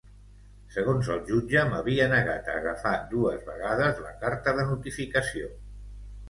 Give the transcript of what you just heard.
Segons el jutge, m’havia negat a agafar dues vegades la carta de notificació.